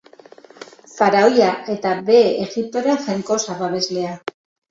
Faraoia eta Behe Egiptoren jainkosa babeslea.